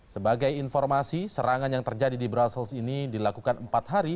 sebagai informasi serangan yang terjadi di brussels ini dilakukan empat hari